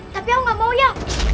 tapi aku gak mau ya